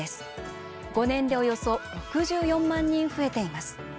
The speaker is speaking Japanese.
５年でおよそ６４万人増えています。